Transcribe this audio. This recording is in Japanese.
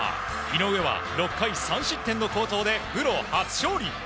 井上は６回３失点の好投でプロ初勝利。